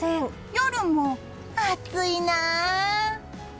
夜も暑いなあ。